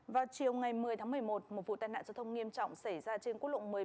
vào chiều ngày một mươi tháng một mươi một một vụ tai nạn giao thông nghiêm trọng xảy ra trên quốc lộ một mươi ba